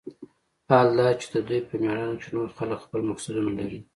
حال دا چې د دوى په مېړانه کښې نور خلق خپل مقصدونه لري.